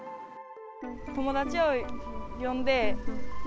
友達を呼んで。